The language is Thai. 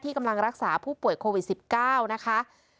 กำลังรักษาผู้ป่วยโควิด๑๙นะคะ